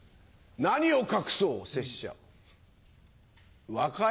何を隠そう拙者和歌山。